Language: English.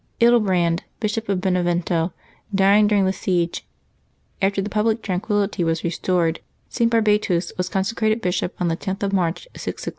Ildebrand, Bishop of Benevento, dying dur ing the siege, after the public tranquillity was restored St. Barbatus was consecrated bishop on the 10th of March, 663.